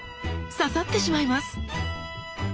刺さってしまいます。